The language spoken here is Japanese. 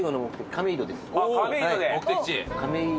亀戸で。